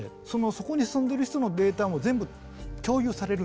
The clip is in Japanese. そこに住んでる人のデータも全部共有されるんですよ。